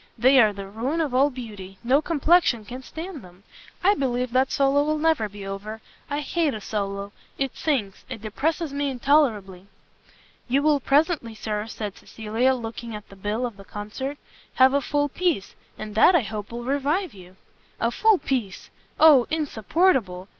They are the ruin of all beauty; no complexion can stand them. I believe that solo will never be over; I hate a solo; it sinks, it depresses me intolerably." "You will presently, Sir," said Cecilia, looking at the bill of the concert, "have a full piece; and that, I hope, will revive you." "A full piece! oh insupportable!